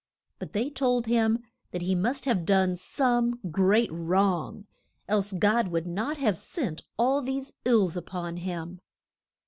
But they told him that he must have done some great wrong, else God would not have sent all these ills up on him.